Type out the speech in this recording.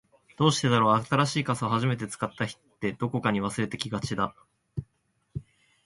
どうしてだろう、新しい傘を初めて使った日って、どこかに忘れてきがちだ。